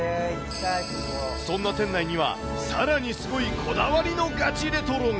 そんな店内には、さらにすごいこだわりのガチレトロが。